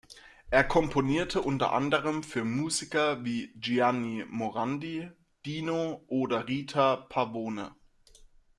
Er komponierte unter anderem für Musiker wie Gianni Morandi, Dino oder Rita Pavone.